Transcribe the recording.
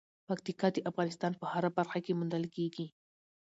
پکتیا د افغانستان په هره برخه کې موندل کېږي.